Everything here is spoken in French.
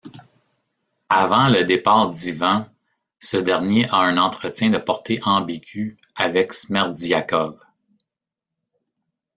Avant le départ d'Ivan, ce dernier a un entretien de portée ambiguë avec Smerdiakov.